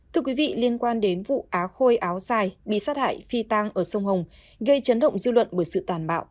thưa quý vị liên quan đến vụ á khôi áo dài bị sát hại phi tang ở sông hồng gây chấn động dư luận bởi sự tàn bạo